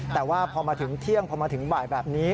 แต่ว่าพอมาถึงเที่ยงพอมาถึงบ่ายแบบนี้